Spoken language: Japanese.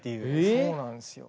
そうなんですよ。